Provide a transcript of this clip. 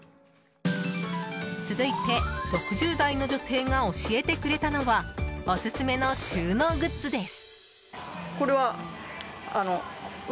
続いて、６０代の女性が教えてくれたのはオススメの収納グッズです。